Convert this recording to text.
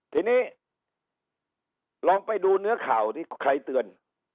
ทีนี้ลองไปดูเนื้อข่าวที่ใครเตือน